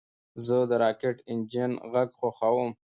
زه د راکټ انجن غږ خوښوم.